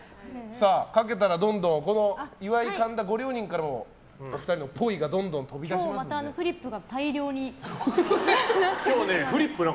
書けたらどんどんこの岩井、神田ご両人からもお二人のぽいが今日はまたフリップが大量に。